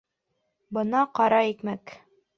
Бына ҡара икмәк